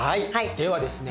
ではですね